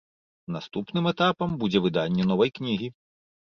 Наступным этапам будзе выданне новай кнігі.